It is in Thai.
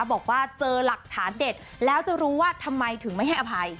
บอกว่าเจอหลักฐานเด็ดแล้วจะรู้ว่าทำไมถึงไม่ให้อภัย